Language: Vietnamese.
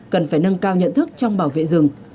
cần phải nâng cao nhận thức trong bảo vệ rừng